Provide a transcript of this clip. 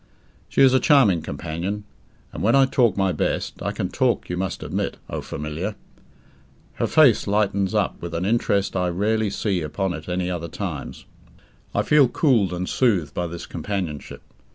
She is a charming companion, and when I talk my best I can talk, you must admit, O Familiar her face lightens up with an interest I rarely see upon it at other times. I feel cooled and soothed by this companionship.